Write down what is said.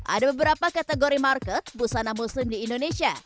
ada beberapa kategori market busana muslim di indonesia